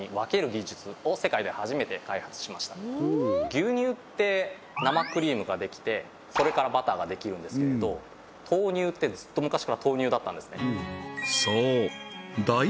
牛乳って生クリームができてそれからバターができるんですけれど豆乳ってずっと昔から豆乳だったんですね